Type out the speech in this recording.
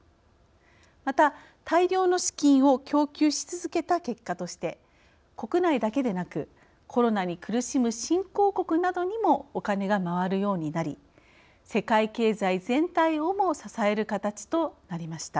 また大量の資金を供給し続けた結果として国内だけでなくコロナに苦しむ新興国などにもおカネが回るようになり世界経済全体をも支える形となりました。